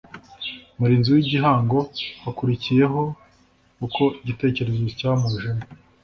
Murinzi w Igihango hakurikireho uko igitekerezo cyamujemo